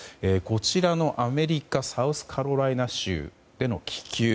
アメリカサウスカロライナ州での気球。